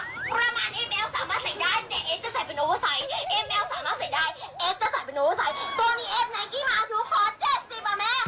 เอฟแม่วสามารถใส่ได้เอฟจะใส่เป็นโอโฟไซด์ค่ะแม่